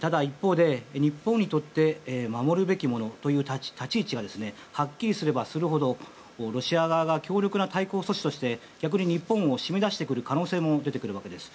ただ、一方で日本にとって守るべきものという立ち位置がはっきりすればするほどロシア側が強力な対抗措置として逆に日本を締め出してくる可能性も出てくるわけです。